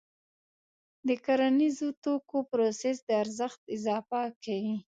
د کرنیزو توکو پروسس د ارزښت اضافه کوي.